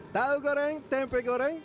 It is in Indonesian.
tau goreng tempe goreng